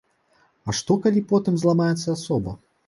А што калі потым зламаецца асоба?